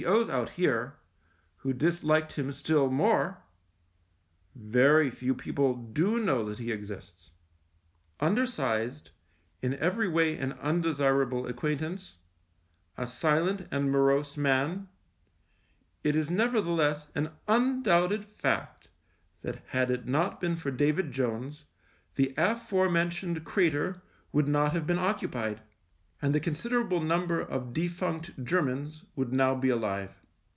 O.'s out here, who dis liked him still more, very few people do know that he exists. Undersized, in every way an undesirable acquaintance, a silent and morose man, it is nevertheless an undoubted fact that had it not been for David Jones, the THE MINE 89 aforementioned crater would not have been occupied, and the considerable number of defunct Germans would now be alive.